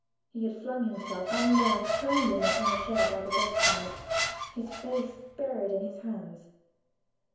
He had flung himself, unnerved, trembling, upon a chair by the bedside his face buried in his hands.